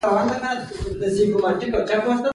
او دفحاشۍ يا فحش رقص سره تړل